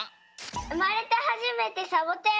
うまれてはじめてサボテン！？